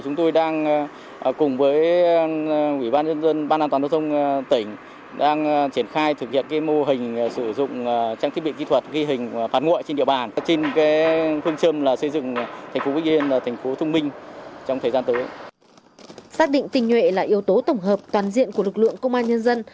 xác định tình nhuệ là yếu tố tổng hợp toàn diện của lực lượng công an nhân dân